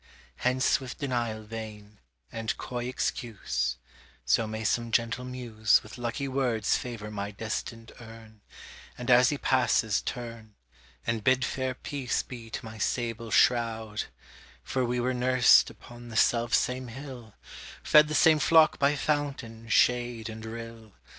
Hence with denial vain, and coy excuse; So may some gentle muse With lucky words favor my destined urn, And as he passes turn, And bid fair peace be to my sable shroud; For we were nursed upon the self same hill, Fed the same flock by fountain, shade, and rill.